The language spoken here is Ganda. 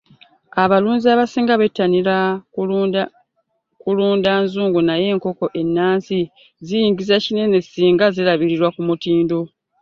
Abalunzi abasinga bettanira kulunda nzungu naye enkoko ennansi ziyingiza kinene singa zirabirirwa ku mutindo.